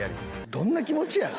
どんな気持ちやねん。